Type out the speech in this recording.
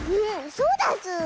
そうだズー！